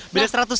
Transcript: beda seratus tahun